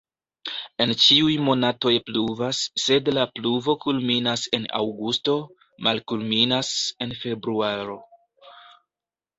En ĉiuj monatoj pluvas, sed la pluvo kulminas en aŭgusto, malkulminas en februaro.